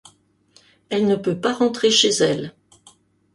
Elle ne peut pas rentrer chez elle.